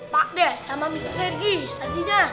pak de sama mr sergi sajinya